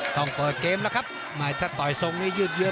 ต้องเปิดเกมแล้วครับหมายถ้าต่อยทรงนี้ยืดเยอะ